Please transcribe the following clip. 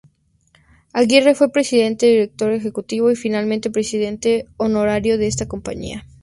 Aguirre fue presidente, director ejecutivo y finalmente presidente honorario de esta compañía.